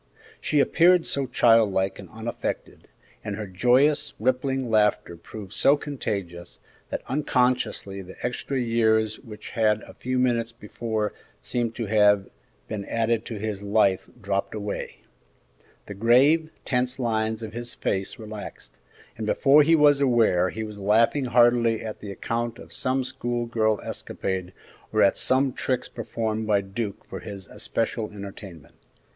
She appeared so childlike and unaffected, and her joyous, rippling laughter proved so contagious, that unconsciously the extra years which a few moments before seemed to have been added to his life dropped away; the grave, tense lines of his face relaxed, and before he was aware he was laughing heartily at the account of some school girl escapade or at some tricks performed by Duke for his especial entertainment.